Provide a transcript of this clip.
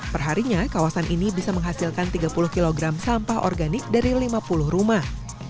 perharinya kawasan ini bisa menghasilkan tiga puluh kg sampah organik dari lima puluh rumah